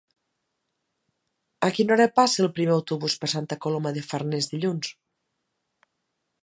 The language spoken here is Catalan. A quina hora passa el primer autobús per Santa Coloma de Farners dilluns?